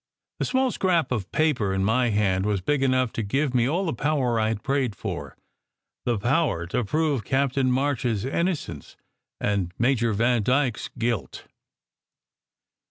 The small scrap of paper in my hand was big enough to give me all the power I had prayed for the power to prove Captain March s in nocence and Major Vandyke s guilt.